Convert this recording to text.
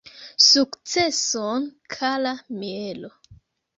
Sukceson kara Mielo!